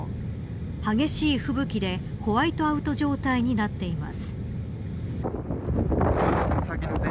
激しい吹雪でホワイトアウト状態になっています。